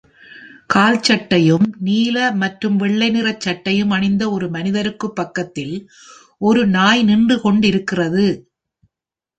கால்சட்டையும், நீல மற்றும் வெள்ளை நிறச் சட்டையும் அணிந்த ஒரு மனிதருக்குப் பக்கத்தில் ஒரு நாய் நின்றுகொண்டிருக்கிறது.